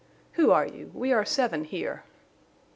"Who are you? We are seven here."